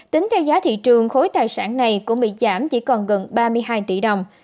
tính theo giá thị trường khối tài sản này cũng bị giảm chỉ còn gần ba mươi hai tỷ đồng